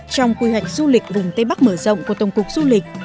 trong quy hoạch du lịch vùng tây bắc mở rộng của tổng cục du lịch